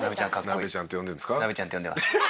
ナベちゃんって呼んでます。